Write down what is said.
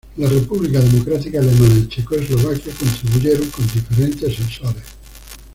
La República Democrática Alemana y Checoslovaquia contribuyeron con diferentes sensores.